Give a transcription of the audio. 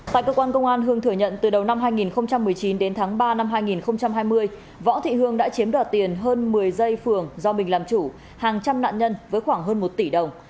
tại cơ quan công an hương thừa nhận từ đầu năm hai nghìn một mươi chín đến tháng ba năm hai nghìn hai mươi võ thị hương đã chiếm đoạt tiền hơn một mươi giây phường do mình làm chủ hàng trăm nạn nhân với khoảng hơn một tỷ đồng